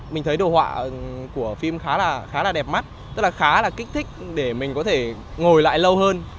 mình thấy đồ họa của phim khá là khá là đẹp mắt tức là khá là kích thích để mình có thể ngồi lại lâu hơn